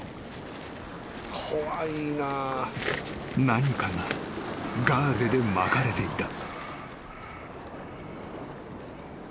［何かがガーゼで巻かれていた］